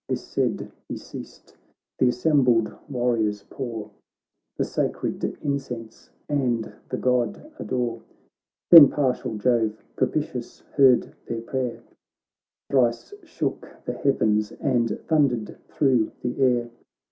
' This said, he ceased — th' assembled warriors pour The sacred incense, and the God adore; Then partial Jove propitious heard their prayer, Thrice shook the heavens, and thundered thro' the air.